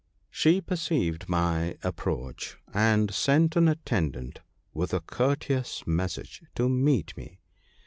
She perceived my approach, and sent an atten dant with a courteous message to meet me.